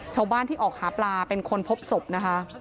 ชาวบ้านที่ออกหาปลาเป็นคนพบศพนะคะ